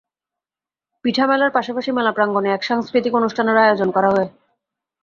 পিঠা মেলার পাশাপাশি মেলা প্রাঙ্গণে এক সাংস্কৃতিক অনুষ্ঠানেরও আয়োজন করা হয়।